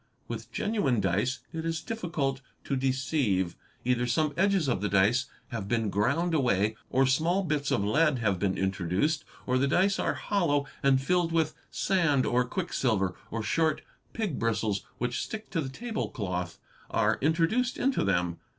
With genuine dice it is difficult _ to deceive. Hither some edges of the dice have been ground away, or small | bits of lead have been introduced, or the dice are hollow and filled with sand or quicksilver, or short pig bristles which stick to the table cloth are ) introduced into them.